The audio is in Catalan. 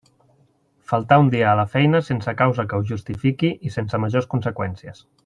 Faltar un dia a la feina sense causa que ho justifiqui i sense majors conseqüències.